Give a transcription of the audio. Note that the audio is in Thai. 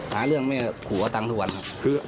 ผ่านเรื่องแม่ขู่เอาตังค์ทุกวันครับ